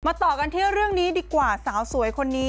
ต่อกันที่เรื่องนี้ดีกว่าสาวสวยคนนี้